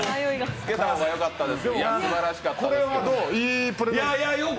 つけた方がよかったです。